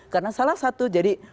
karena salah satu jadi